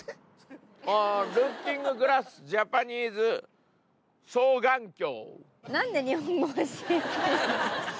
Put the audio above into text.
ルッキンググラスジャパニーズ双眼鏡。